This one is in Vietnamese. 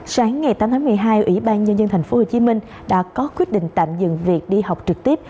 sáng ngày tám tháng một mươi hai ủy ban nhân dân tp hcm đã có quyết định tạm dừng việc đi học trực tiếp